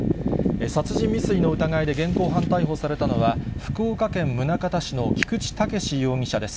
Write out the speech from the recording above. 殺人未遂の疑いで現行犯逮捕されたのは、福岡県宗像市の菊池剛史容疑者です。